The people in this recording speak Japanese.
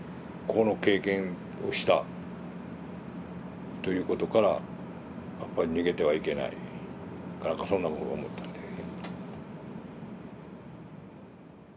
この経験をしたということからやっぱり逃げてはいけないかなんかそんなこと思ったんで。